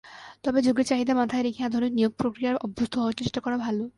তবে যুগের চাহিদা মাথায় রেখেই আধুনিক নিয়োগ-প্রক্রিয়ায় অভ্যস্ত হওয়ার চেষ্টা করা ভালো।